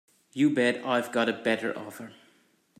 You bet I've got a better offer.